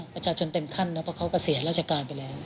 ประชาชนเต็มขั้นเพราะเขาก็เสียรัจการไปแล้ว